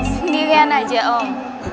sendirian aja om